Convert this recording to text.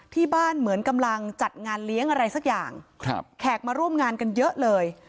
ที่บ้านเหมือนกำลังจัดงานเลี้ยงอะไรสักอย่างครับแขกมาร่วมงานกันเยอะเลย